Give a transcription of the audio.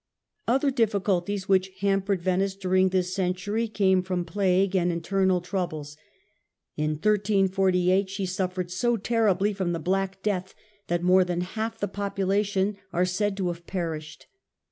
Other difficulties which hampered Venice during this century came from plague and internal troubles. In 94 THE END OF THE MIDDLE AGE Black 1348 she suffered so terribly from the Black Death that }^3^48^' more than half the population are said to have perished.